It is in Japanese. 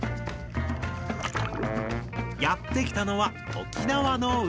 やって来たのは沖縄の海。